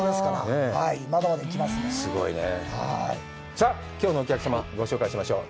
さあ、きょうのお客様、ご紹介しましょう。